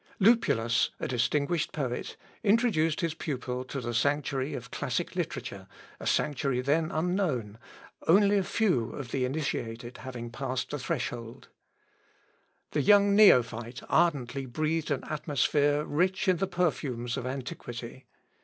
Lupulus, a distinguished poet, introduced his pupil to the sanctuary of classic literature, a sanctuary then unknown, only a few of the initiated having passed the threshold. The young neophyte ardently breathed an atmosphere rich in the perfumes of antiquity.